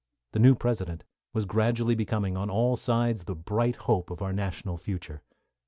The new President was gradually becoming, on all sides, the bright hope of our national future.